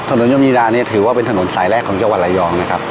โยมิดาเนี่ยถือว่าเป็นถนนสายแรกของจังหวัดระยองนะครับ